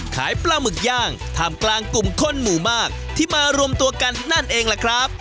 ขายปลาหมึกย่างท่ามกลางกลุ่มคนหมู่มากที่มารวมตัวกันนั่นเองล่ะครับ